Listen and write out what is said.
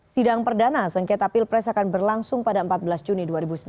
sidang perdana sengketa pilpres akan berlangsung pada empat belas juni dua ribu sembilan belas